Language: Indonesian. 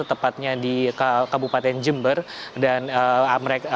tepatnya di kabupaten jember dan amrek